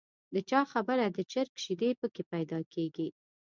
د چا خبره د چرګ شیدې په کې پیدا کېږي.